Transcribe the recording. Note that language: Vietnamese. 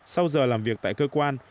sau giờ làm việc tại cơ quan